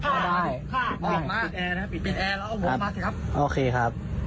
สื่อมาเริ่มไม่เงียบ